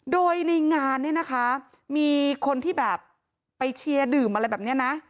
โดยในงานเนี่ยนะคะมีคนที่แบบไปเชียร์ดื่มอะไรแบบนี้นะ